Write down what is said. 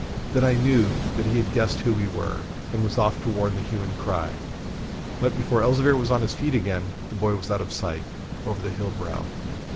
Then I knew that he had guessed who we were, and was off to warn the hue and cry; but before Elzevir was on his feet again, the boy was out of sight, over the hill brow.